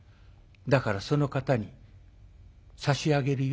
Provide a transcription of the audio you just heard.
だからその方に差し上げるよ」。